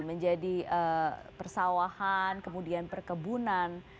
menjadi persawahan kemudian perkebunan